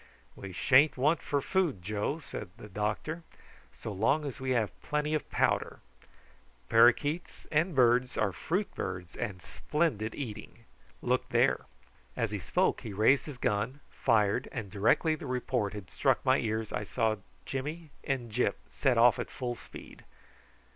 "We sha'n't want for food, Joe," the doctor said, "so long as we have plenty of powder; parroquets and parrots are fruit birds, and splendid eating. Look there." As he spoke he raised his gun, fired, and directly the report had struck my ears I saw Jimmy and Gyp set off at full speed.